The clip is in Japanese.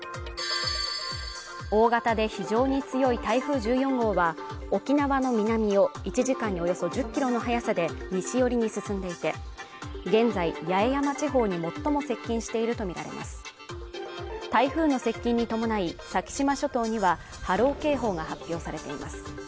大型で非常に強い台風１４号は沖縄の南を１時間におよそ１０キロの速さで西寄りに進んでいて現在八重山地方に最も接近しているとみられます台風の接近に伴い先島諸島には波浪警報が発表されています